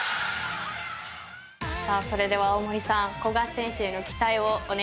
さあそれでは大森さん古賀選手への期待をお願いします。